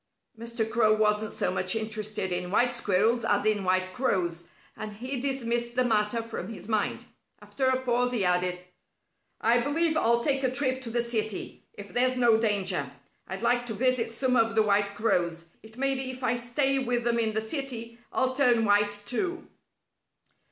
Mr. Crow wasn't so much interested in white squirrels as in white crows, and he dismissed the matter from his mind. After a pause, he added: "I believe I'll take a trip to the city, if there's no danger. I'd like to visit some of the white crows. It may be if I stay with them in the city, I'll turn white, too."